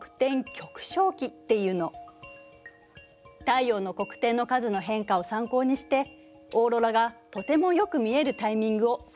太陽の黒点の数の変化を参考にしてオーロラがとてもよく見えるタイミングを探ることができるのよ。